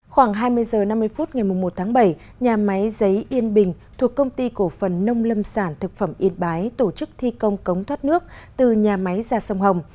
khoảng hai mươi h năm mươi phút ngày một tháng bảy nhà máy giấy yên bình thuộc công ty cổ phần nông lâm sản thực phẩm yên bái tổ chức thi công cống thoát nước từ nhà máy ra sông hồng